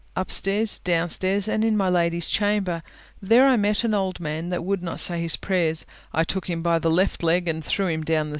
Upstairs, downstairs, And in my lady's chamber. There I met an old man That would not say his prayers: I took him by the left leg, And threw him downstairs.